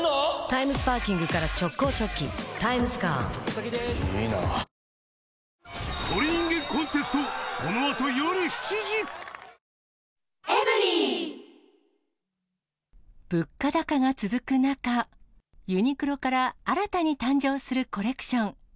サントリー「金麦」物価高が続く中、ユニクロから新たに誕生するコレクション。